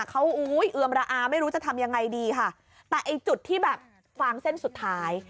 เขาอุ้ยเอือมระอาไม่รู้จะทำยังไงดีค่ะแต่ไอ้จุดที่แบบฟางเส้นสุดท้าย